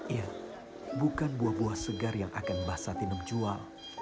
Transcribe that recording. ia bukan buah buah segar yang akan bahsatin untuk dijual